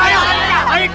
ayo kita bawa ke bagian desa